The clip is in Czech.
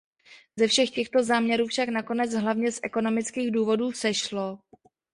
Ze všech těchto záměrů však nakonec hlavně z ekonomických důvodů sešlo.